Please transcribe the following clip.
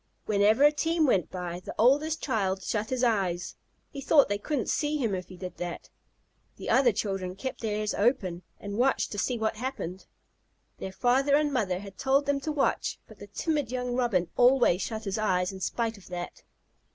Whenever a team went by, the oldest child shut his eyes. He thought they couldn't see him if he did that. The other children kept theirs open and watched to see what happened. Their father and mother had told them to watch, but the timid young Robin always shut his eyes in spite of that.